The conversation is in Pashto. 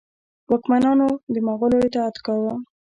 واکمنانو د مغولو اطاعت کاوه.